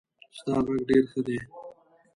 ستا غږ ډېر ښه دی.